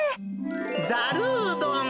ざるうどん。